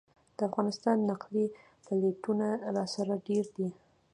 د افغانستان نقلي پلېټونه راسره ډېر دي.